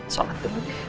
salat dulu deh